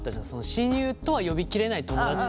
親友とは呼び切れない友だち。